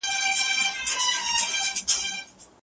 زه به ستا غږ خامخا واورم.